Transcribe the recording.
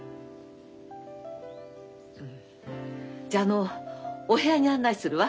じゃああのお部屋に案内するわ。